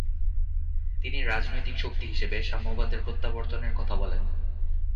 তিনি রাজনৈতিক শক্তি হিসেবে সাম্যবাদের প্রত্যাবর্তনের কথা বলেন।